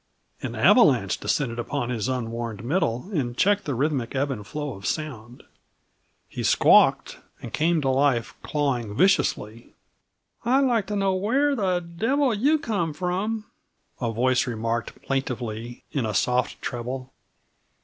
An avalanche descended upon his unwarned middle, and checked the rhythmic ebb and flow of sound. He squawked and came to life clawing viciously. "I'd like t' know where the devil yuh come from," a voice remarked plaintively in a soft treble.